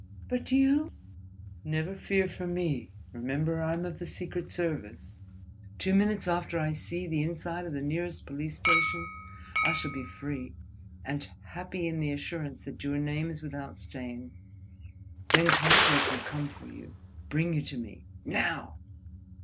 "But you—?" "Never fear for me, remember that I am of the Secret Service: two minutes after I see the inside of the nearest police station, I shall be free—and happy in the assurance that your name is without stain. Then Karslake will come for you, bring you to me ... Now!"